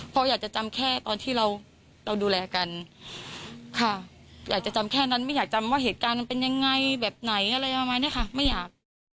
เพราะอยากจะจำแค่ตอนที่เราดูแลกันค่ะอยากจะจำแค่นั้นไม่อยากจำว่าเหตุการณ์มันเป็นยังไงแบบไหนอะไรประมาณนี้ค่ะไม่อยาก